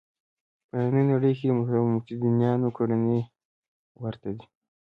په نننۍ نړۍ کې د متدینانو کړنې ورته دي.